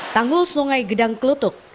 tanggul sungai gedang kelutuk